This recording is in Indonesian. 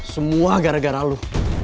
semua gara gara lu